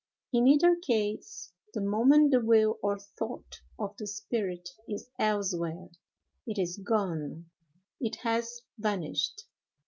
In either case, the moment the will or thought of the spirit is elsewhere, it is gone—it has vanished.